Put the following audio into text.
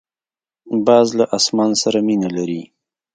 باز له اسمان سره مینه لري